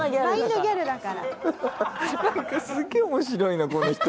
なんかすげえ面白いなこの人。